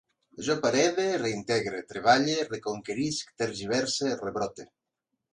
Jo parede, reintegre, treballe, reconquerisc, tergiverse, rebrote